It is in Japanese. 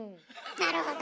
なるほど。